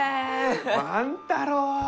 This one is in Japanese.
万太郎！